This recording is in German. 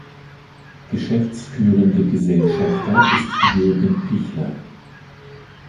Geschäftsführende Gesellschafter ist Jürgen Pichler.